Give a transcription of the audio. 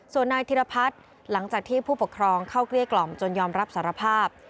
ส่วนนายธิรพัฒน์หลังจากที่ผู้ปกครองเข้าเกลี้ยกล่อมจนยอมรับสารภาพ